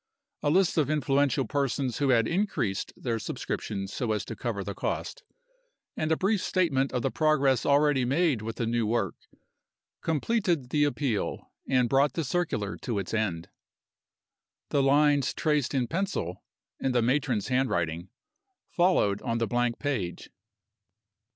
A list of influential persons who had increased their subscriptions so as to cover the cost, and a brief statement of the progress already made with the new work, completed the appeal, and brought the circular to its end. The lines traced in pencil (in the matron's handwriting) followed on the blank page.